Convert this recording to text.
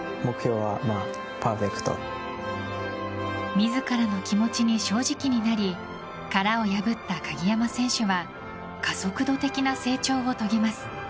自らの気持ちに正直になり殻を破った鍵山選手は加速度的な成長を遂げます。